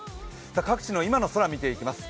各地の今の空見ていきます。